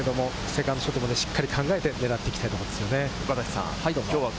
セカンドショットも、しっかり考えて狙っていきたいところです。